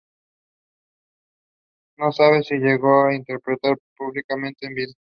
No se sabe si llegó a interpretarla públicamente en vida.